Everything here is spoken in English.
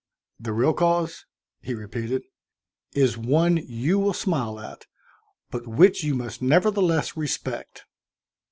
"The real cause " he repeated. " is one you will smile at, but which you must nevertheless respect.